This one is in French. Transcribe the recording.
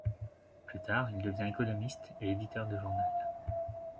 Plus tard, il devient économiste et éditeur de journal.